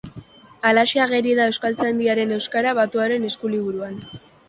alaxe ageri da Euskaltzaindiaren Euskara Batuaren Eskuliburuan.